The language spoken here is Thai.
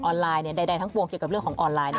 ไลน์ใดทั้งปวงเกี่ยวกับเรื่องของออนไลน์